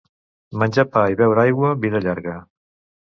Menjar pa i beure aigua, vida llarga.